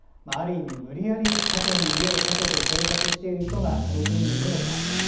ある意味無理やり他県に家を建てて生活している人がこの国にいるのか。